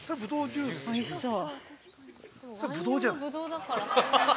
おいしそう！